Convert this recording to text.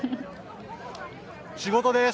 仕事です。